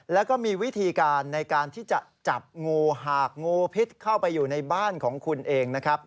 แล้วก็มีวิธีการในการที่จะจับงูหากงูพิษเข้าไปอยู่ในบ้านของคุณเองนะครับ